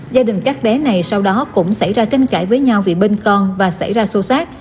gia đình các đế này sau đó cũng xảy ra tranh cãi với nhau vì bên con và xảy ra sâu sát